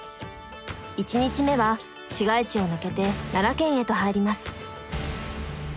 １日目は市街地を抜けて奈良県へと入ります。